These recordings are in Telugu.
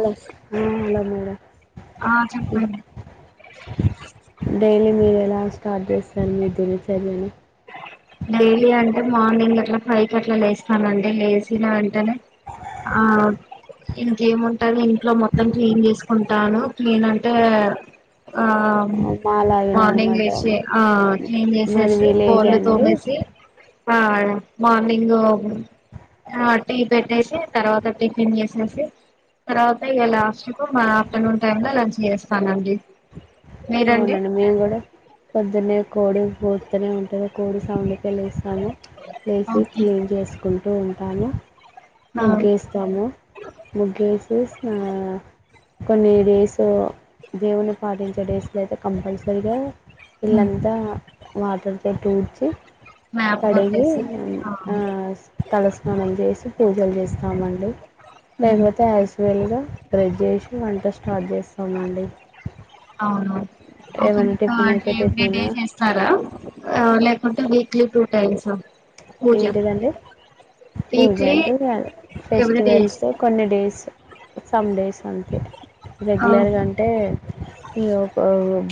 హలో హు హలో మేడం ఆ చెప్పండి డైలీ మీరు ఎలా స్టార్ట్ చేస్తారు మీ దినచర్యని డైలీ అంటే మార్నింగ్ అట్లా ఫైవ్ కీ అట్లా లేస్తానండి లేచిన వెంటనే ఆ ఇంకేముంటంది ఇంట్లో మొత్తం క్లీన్ చేసుకుంటాను క్లీన్ అంటే ఆ మార్నింగ్ మాలాగేనమాట లేచి ఆ క్లీన్ మాది చేసేసి విలేజ్ బోల్ అండి తోమేసి ఆ మార్నింగ్ ఆ టీ పెట్టేసి తర్వాత టిఫిన్ చేసేసి తర్వాత ఇక లాస్ట్ కు మా ఆఫ్టర్నూన్ టైమ్ లో లంచ్ చేస్తానండి మీరండి అవునండి మేము కూడా పొద్దునే కోడి కుత్తనే ఉంటది కోడి సౌండి లేస్తాం ము లేసి ఓకే క్లీన్ చేసుకుంటూ ఉంటాము ఆ ముగ్గేస్తాము ముగ్గేసి స్నా కొన్ని డేస్ దేవుణ్ణి పాటించడం వీలైతే కంపల్సరిగా వీళ్ళంతా వాటర్ తో తుడిచి మ కడిగి ఆ తలస్నానం చేసి పూజలు చేస్తామండి మ్మ్ లేకపోతే ఐస్వేల్గా బ్రష్ చేసి వంట స్టార్ట్ చేస్తామండి అవును ఓకే ఏమైనా మీకు టిఫిన్ అంటే అయితే ఎవ్రీ టిఫిన్ డే చేస్తారా లేకపోతే విక్ క్లీ టూ టైమ్స్ పూజ ఏంటిదండి పూజ వీక్లీ అంటే ఇంగ ఎవ్రీ డే ఫెస్టివల్స్ చేస్తాం కొన్ని డేస్ సమ్ డేస్ అంతే ఓకే రెగ్యులర్గా అంటే ఇంగ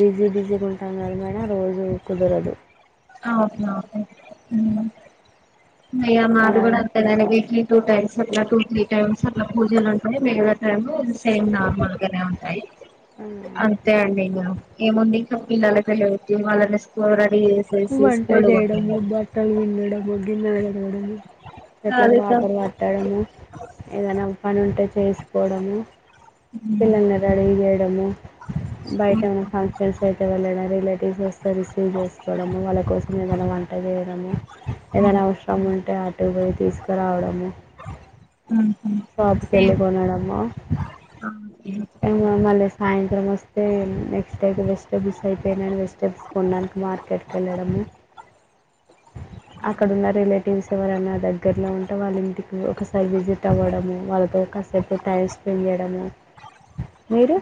బిజీ బిజీగా ఉంటాం కదా మేడం రోజు కుదరదు అవునవును హు మేము మాది అలా కూడా అంతేలెండి వీక్లీ టూ టైమ్స్ అట్లా టూ త్రీ టైమ్స్ అట్లా పూజలు ఉంటాయి మేము మేము ఇది సేమ్ నార్మల్గానే ఉంటాయి అంతే అండి ఇంగ ఏముంది ఇంకా పిల్లలకి [unintelligible] వాళ్ళని స్కూల్ రెడి చేసి వంట చేయడము బట్టలు పిండడము గిన్నలు కడగడం చేయడం చెట్లకి అదే కా వాటర్ పట్టడము ఏదైనా ఒక పని ఉంటే చేసుకోవడము ఉమ్ పిల్లలను రెడీ చేయడము బయట ఉమ్ ఏమైనా ఫంక్షన్స్ అయితే వెళ్ళడం రిలేటివ్స్ వస్తే రిసీవ్ చేసుకోవడము వాళ్ళ కోసం ఏదైనా వంట చేయడము ఏదైనా అవసరం ఉంటే అటు పోయి తీసుకురావడము [inaudible] షాప్ కెళ్లి సేమ్ కొనడం ఓకే మళ్ళీ సాయంత్రం వస్తే నెక్స్ట్ డే వెజిటేబుల్స్ అయిపోయినను వెజిటేబుల్స్ కొన్నాను మార్కెట్ కి వెళ్ళడము అక్కడ ఉన్న రిలేటివ్స్ ఎవరన్నా దగ్గరలో ఉం అంట వాళ్ళ ఇంటికి ఒకసారి విజిట్ అవ్వడము వాళ్ళతో కాసేపు టైం స్పెండ్ చేయడము మీరు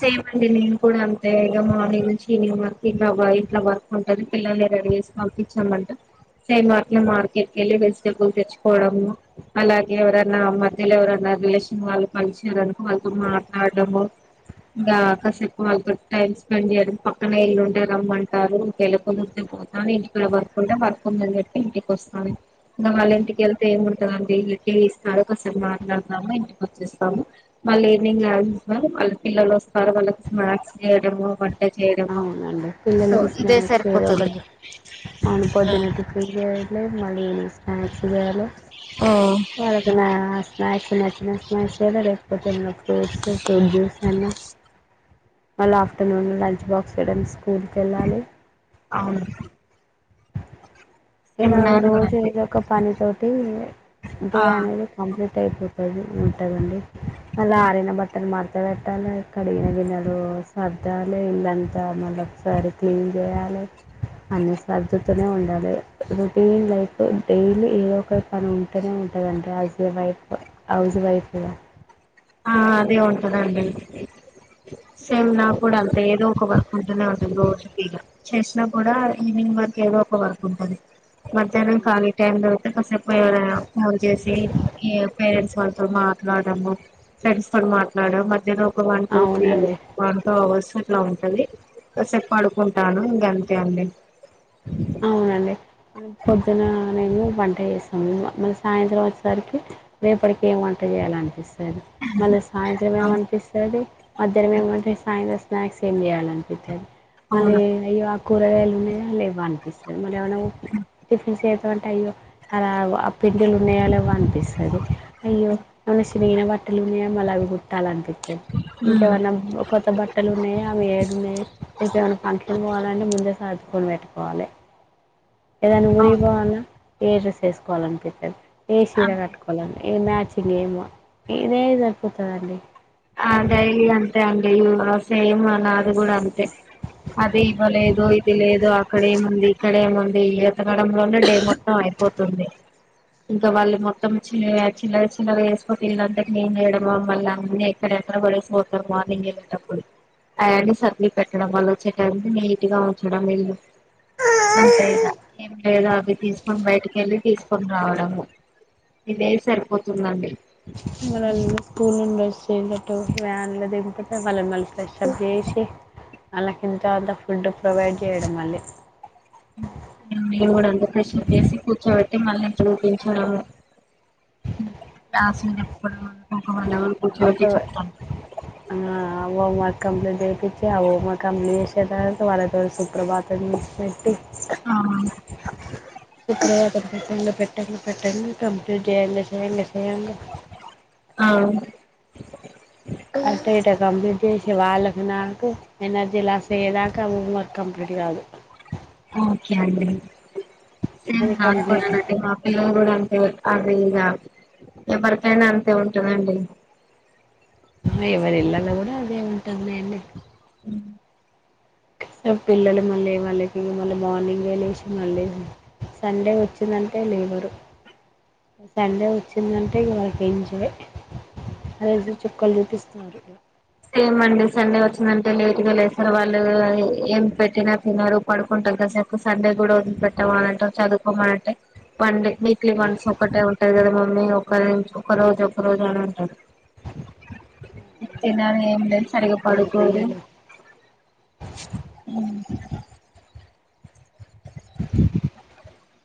సేమ్ అండి నేను కూడా అంతే ఇక మార్నింగ్ నుంచి ఈవినింగ్ వరకు ఇట్లా ఇట్లా వర్క్ ఉంటాది పిల్లని రెడీ చేసి పంపించామంట సేమ్ అట్లా మార్కెట్ కి వెళ్ళి వెజిటబుల్ తెచ్చుకోవడము అలాగే ఎవరన్నా మధ్యలో ఎవరన్నా రిలేషన్ వాళ్ళు కలిసిరనుకో వాళ్ళతో మాట్లాడము ఇంకా కాసేపు వాళ్ళతో టైమ్ స్పెండ్ చేయడం పక్కన ఇల్లుంటే రమ్మంటారు ఇంకెళ్ళక పోతాను ఇంటికి వర్క్ ఉంటే వర్క్ ఉందని చెప్పి ఇంటికి వస్తాను ఇగ వాళ్ళ ఇంటికెళ్తే ఏముంటదండి ఇకే ఇస్తారు అసలు మాట్లాడదాము ఇంటికి వచ్చిస్తాము వాళ్ళు ఈవినింగ్ అస్ ఇస్ గా వాళ్ళ పిల్లలు వస్తారు వాళ్ళకి స్మాక్స్ చేయడము చేయడము అవునండి సో పిల్లలకి స్నాక్స్ ఏదో ఒకటి అవును పొద్దున టిఫీ చేయాలి మళ్ళీ ఈవినింగ్ స్నాక్స్ చేయాలి ఆ వాళ్ళకి నా స్నాక్స్ నచ్చిన స్నాక్స్ లేకపోతే ఏమ ఫ్రూట్స్ ఫ్రూట్ జ్యూస్ అయినా మళ్ళీ ఆఫ్టర్నూన్ లంచ్ బాక్స్ ఇయడానికి స్కూల్కి వెళ్ళాలి అవును ఇలా ఏమన్నా అడగరా రోజు అండి ఏదో ఒక పని తోటి డే ఆ అనేది కంప్లీట్ ట అపోతుంది ఉంటుందిండి మళ్ళీ ఆరిన బట్టను మడత ఎంత పెట్టాలిక్కడిగిన గినలు సర్ద్దాలి ఇలంతా మళ్ళ ఒకసారి క్లీన్ చేయాలి అన్ని సర్దుతూనే ఉండాలి ఇగ రుటీన్ లైఫ్ డైలీ ఏదో ఒక పని ఉంటేనే ఉంటదండి హజ్ వైఫ్ హౌ వైఫ్ గా ఆ అదే ఉంటదండి సేమ్ నా కూడా అంత ఏదో ఒక వర్క్ ఉంటూనే ఉంటుంది రోజు పీగా చేసినా కూడా ఈవినింగ్ మనకి ఏదో ఒక వరకు ఉంటంది మధ్యాహ్నం అవును ఖాళీ టైమ్ లో కాసేపు ఎవరైనా ఫోన్ చేసి ఏం పేరెంట్స్ వాళ్ళతో మాట్లాడము ఫ్రెండ్స్ తో మాట్లాడము మధ్యలో అవునండి [unintelligible] అట్లా ఉంటంది కాసేపు పడుకుంటాను ఇంక అంతే అండి అవును పొద్దున నే వంట చేస్తా మ సాయంత్రం వచ్చేసరికి రే మనకి ఏం వంట చేయాల అనిపిస్తుంది మళ్ళీ సాయంత్రం ఏమ అనిపిస్తుంది మధరం ఏమంటంది సాయంత్రం స్నాక్స్ ఏమి చేయాలనిపిస్తుంది మళ్ళీ అయో ఆ కూరగాయలు ఉన్నాయయా లేవ అనిపిస్తుంది మళ్ ఏమై టిఫిన్ సే ఎమంట అయ్యో అ ఆ పిండిలు ఉన్నాయళ అనిపిస్తుంది అయ్యో మన చిరిగిన బట్టలునేమలా అవి కుట్టాల అనిపిస్తుంది ఇంకేమన్నా కొత్త బట్టలు ఉన్నాయయా ఆమె ఏడు ఉన్నాయయి తెపు ఏమైన్నా ఫంక్షన్ పోవాలంటే ముందే సాదుుకొని పెట్టా ఏదైనా ఉఊరిగిపోవన్నా ఏ డ్రెస్ వేసుకోవాలి అనిపిించారు ఏ చీర కట్టుకోవాలని ఏ నాచిిన ఏమో ఇదమి జరుపుతందండి ఆ డైలీ అంతే అండి సేమ్ నాది కూడా అంతే అదే ఇవ్వలేదు ఇది లేదు అక్కడే మంది ఇక్కడే మంది మడంలోనే డే మొత్తం అయిపోతుంది ఇంకా వాళ్ళు మొత్తం చి చిల్ల చిల్లర వేసుకొ పిల్ళంట నం చేయడం మళ్ళ అన్నీ అంటడ ఎక్క వెారు మార్నింగ్ పోయి అవీ సర్లి పెట్టడం వల్ల వచ్చేట నీట్ గా ఉంచడం ఇల్లు అంతే ఇద ఏం లేదు అవి తీసుకొని బయటికి వెళ్ళి తీసుకొని రావడము ఇదే సరిపోతుందండి ఇ స్కూల్ండ బస్ వ్యాన్లు దింపితే వాళ్ళని మళ్ళీ ఫ్రెషబ్ చేసి వాళ్ళకి ఇంత అంత ఫుడ్ ప్రొవైడ్ చేయడం మళ్ళీ డ కష చేేసి కూర్చ మళ్ళీ చూపించడంస్లు చెప్పుడంల్ ఒక అ కంప్ెనీట్ చేయిించి ఆ ఓమా కంప్ెనీ చేసే తర్వాత వాళ్ళతో సుప్రభాతం పెట్టి ఆ కుక్క పెట్టంగా పెట్టంగా పెట్టడి కంట్ చేయడి చే యడి చేయ్యంగా ఆ అట్ట ఇట కంప్లీట్ చేసే వాళ్ళకి నాకు ఎనర్జీ లాస్ అయ్యేదాకా హోమ్ వర్క్ కంప్లీట్ కాదు ఓకే అండి సేమ్ అది నాను కంప్లీట్ కూడానండి మా పిల్లలు కూడా అది ఇద ఎవరికైనా అంతే ఉంటుందండి ఎవరి ఇళ్లాలో కూడా అదే ఉంటుంది నండి హమ్ స పిల్లలు మళ్ళీ వాళ్ళ మళ్ళీ మార్నింగ్ గే లేసి మళ్ళీ సండే వచ్చిందంటే లేవరు సండే వచ్చిందంటే ఇగ వాళ్ళకి ఎంజాయ్ రైజు చక్కలు చూపిస్తున్నారు మండే సండే వచ్చిందంటే లేట్గా లేస్తారు వాళ్ళు ఏం పెట్టిన తిన్నరు పడుకుంటారు సండే కూడా వదిలిపెట్టావ అని అంటారు చదువుకోమని అంటే పండే వీక్లీ వన్స్ ఒకటే ఉంటాయి కదా అమ్ ఒకరి ఒక రోజు ఒక రోజు అంటారు తినను అవునండి ఏమి లేని అలానే సరిగా అంటారు పడుకోరు పిల్లలు [inaudible]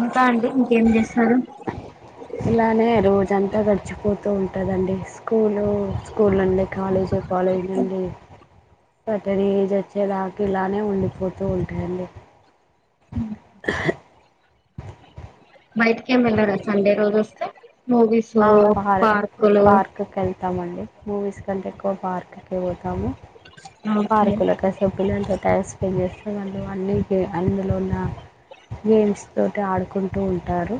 ఇంకా అండి ఇంకేం చేస్తారు అంత గడిచిపోతూ ఉంటాదండి స్కూలు స్కూల్ నుండి కాలేజ్ కాలేజ్ నుండి సర్టెన్ ఏజ్ వచ్చేదాకా ఇలానే ఉండిపోతూ ఉంటాదండి ఉమ్ బయట కేమ్ వెళ్ళరా సండే రోజు వస్తే మూవీస్ ఆ పార్ పార్కులు పార్క్కి వెళ్తామండి మూవీస్ కంటే ఎక్కువ పార్క్కి పోతాము ఓకే పార్కులో కసూపులాంటి టైమ్ స్పెండ్ చేస్త ళు అన్నీ గే అందులో ఉన్న గేమ్స్ తోటి ఆడుకుంటూ ఉంటారు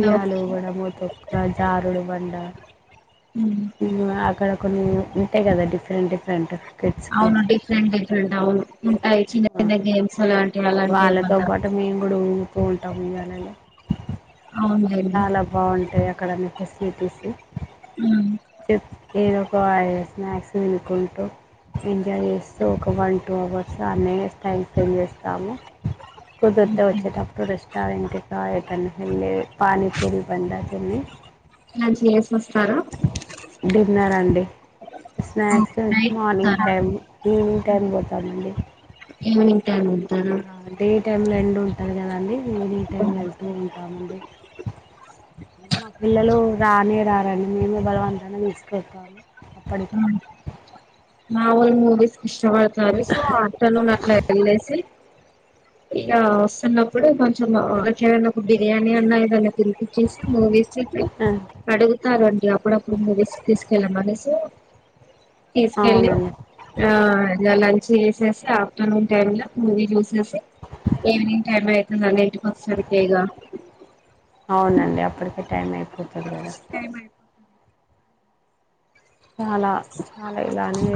ఉయ్యాలు ఓకే ఊగడం తక్క జారుడు బండ ఆక్కడ కొన్ని ఉంటాయి కదా డిఫరెంట్ డిఫరెంట్ కిడ్స్కి అవును డిఫరెంట్ డిఫరెంట్ అవును ఉంటాయి చిన్న చిన్న గేమ్స్ అలాంటివి వాళ్ళతో ఏమన్నా పాటు మేము కూడా ఊగుతూ ఉంటాం ఉయ్యాలలో అవునులేండి చాలా బాగుంటాయి అక్కడ ఉన్నా ఫెసిలిటీస్ ఉమ్ చెప్ ఏదో ఒక స్నాక్స్ తినుకుంటూ ఎంజాయ్ చేస్తూ ఒక వన్ టూ అవర్స్ అన్న టైం స్పెండ్ చేస్తాము కుదిరితే ఓకే వచ్చేటప్పుడు రెస్టారెంట్ ఏటన అళ పానీపూరి బంద తిని ఇలా చేసి వస్తారు డిన్నర్ అండి స్నాక్స్ ఓకే నైట్ మార్నింగ్ వెళ్తారా టైమ్ ఈవినింగ్ టైం పోతామండి ఏం తింటారండి డే టైమ్ లో ఎండ్ ఉంటాది కదండి ఈవినింగ్ టైమ్ లో ఉమ్, వెళ్తూ ఉంటామండి మా పిల్లలు రానే రారండి మేము బలవంతంగా తీసుకెళ్తాము మామూలు మూవీస్ [inaudible] ఇష్టపడతారు సో ఆఫ్టర్నూన్ అట్లా వెళ్లేసి [inaudible] ఇగా వస్తున్నప్పుడు కొంచెం అట్లేదన ఒక బిర్యానీ అన్నా ఏదనా తినిపించేసి మూవీ అడుగుతారు అండి అప్పుడప్పుడు మూవీస్ కి తీసుకెళ్ళమనేసి తీసుకెళ్ళి అవునండి ఆ అదిలా చేసేసి ఆఫ్టర్నూన్ టైమ్ లో మూ చూసేసి ఈవినింగ్ టైమ్ లో అయితుందింటి అవునండి అప్పటికే టైం అయిపోతుంది కదా టైం అయిపోతది చాలా చాలా ఇలానే.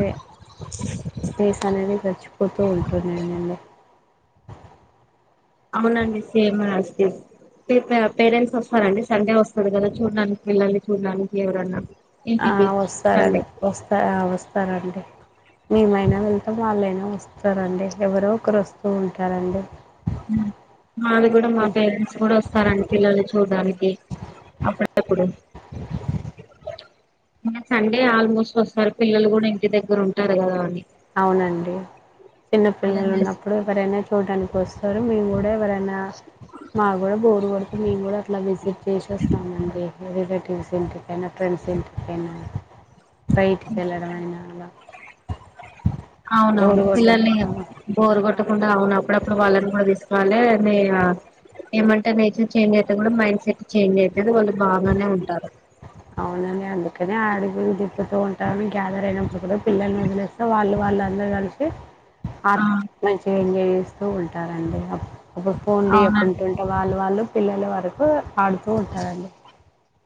డేస్ అనేది గచిపోతూ ఉంటున్నాయి అండి. అవునండి సేమ్ అస్ టీస్. పే ప పేరెంట్స్ వస్తారండి సండే వస్తుంది కదా చూడ్డానికి పిల్లల్ని చూడ్డానికి ఎవరన్నా. ఆ ఇంటికి సండే వస్తారండి వస్తా వస్తారండి. మేమైనా వెళ్తాం వాళ్ళైనా వస్తారండి ఎవరొకరు వస్తూ ఉంటారండి. వాళు కూడా మా పేరెంట్స్ కూడా వస్తారండి పిల్లల్ని చూడ్డానికి. అప్పుడప్పుడు. సండే ఆల్మోస్ట్ వస్తారు పిల్లలు కూడా ఇంటి దగ్గర. దగ్గర ఉంటారు కదా అని. అవునండి చిన్న పిల్లలు వాళ్ళని ఉన్నప్పుడు ఎవరైనా చూడ్డానికి. వస్తారు మేము గూడ ఎవరైనా. మా గూడ బోరు కొడుతుంది మేము కూడా అట్లా విజిట్ చేసి వస్తామండి. రిలేటివ్స్ ఇంటికి అయిన ఫ్రెండ్స్ ఇంటికి అయిన బైటికి వెళ్ళడం అయిన అలా అవునవును బోరు కొట్ట పిల్లల్ని బోరు ఆ గొట్టగుండ అవునప్పుడప్పుడు వాళ్ళని గూడ తీసుకు. వల్లే మీ ఏమంటే నేచర్ చేంజ్ అయితది మన మైండ్ సెట్ చేంజ్ అయితది వాళ్ళు బాగానే ఉంటారు. అవునండి అందుకనే అడుగు దిప్పుతూ ఉంటాని గ్యాదర్ అయినప్పుడు కూడా పిల్లల్ని వదిలేస్తే వాళ్ళు వ. అందరూ కలిసి ఆ మంచిగా ఎంజాయ్ చేస్తూ ఉంటారండి ఒక పోన్లు అవునండి ఇయ్యకుంటుంటే వాళ్ళు. వాళ్ళు పిల్లల వరకు ఆడుతూ ఉంటారండి.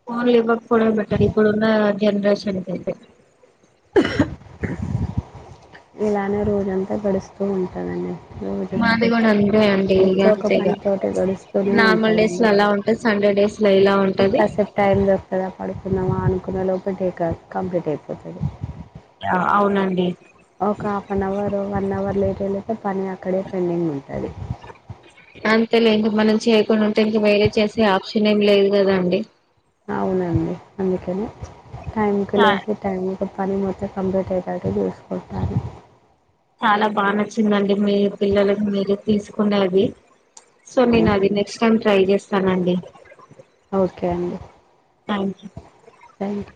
ఫోన్లు ఇవ్వకపోవడమే బెటర్ ఇప్పుడున్న జనరేషన్కైతే. ఇలానే రోజంతా గడుస్తూ ఉంటదండి. రోజు మాది కూడా అంతే అండి ఇగ అంతే ఇగ ఇంకొకపనితోటి గడుస్తూనే నార్మల్ డేస్ లో ఉంటదండి. అలా ఉంటది సండే డేస్ లో ఇలా ఇకా ఉంటది కాసేప్ టైం దొరుకుతదా పడు కున్నామా అనుకునే లోపే టేక కంప్లీట్ అయిపోతది ఆ అవునండి ఒక half an hour one hour late ఐలొకే పని అక్కడే పెండింగ్ ఉంటది. అంతేలేండి మనం చేయకుండా ఉంటే ఇంక వేరేది చేసే ఆప్షన్ ఏం లేదు కదండి. అవునండి అందుకని టైంకి చ లేచి టైం కి పనిమొత్తం కంప్లీట్ అయ్యేటట్టు చూసుకుంటాను చాలా బాగా నచ్చిందండి మీ పిల్లలకి మీరే తీసుకునేది సో నేను హ్మ్. అది నెక్స్ట్ టైమ్ ట్రై చేస్తానండి. ఓకే అండి. థాంక్యూ. థాంక్యూ.